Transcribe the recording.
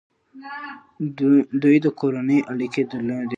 دوی د کورنۍ اړیکې درلودې.